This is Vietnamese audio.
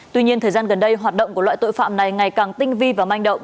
tuy nhiên thời gian gần đây hoạt động của loại tội phạm này ngày càng tinh vi và manh động